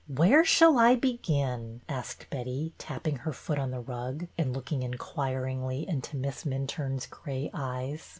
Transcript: '' Where shall I begin ?" asked Betty, tapping her foot on the rug and looking inquiringly into Miss Minturne's gray eyes.